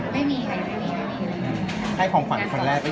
อ๋อเดี๋ยวพี่เราให้เค้าขอกันพี่